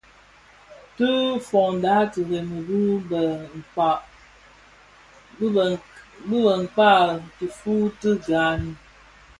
Ti foňdak tiremi bi bë nkak tifuu ti gani.